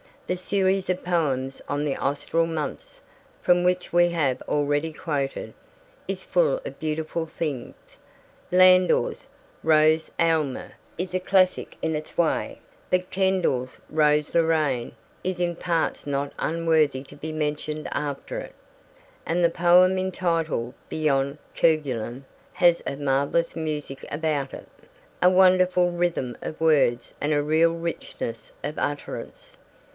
The series of poems on the Austral months, from which we have already quoted, is full of beautiful things; Landor's Rose Aylmer is a classic in its way, but Kendall's Rose Lorraine is in parts not unworthy to be mentioned after it; and the poem entitled Beyond Kerguelen has a marvellous music about it, a wonderful rhythm of words and a real richness of utterance.